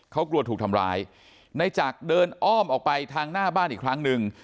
เขากลัวถูกทำร้ายในจักรเดินอ้อมออกไปทางหน้าบ้านอีกครั้งหนึ่ง